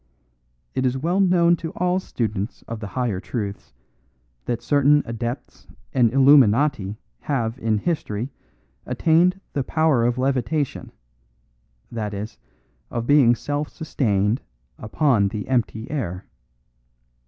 It is well known to all students of the higher truths that certain adepts and illuminati have in history attained the power of levitation that is, of being self sustained upon the empty air.